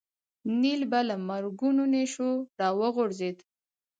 نیل به له مرګونو نېشو راوغورځېد.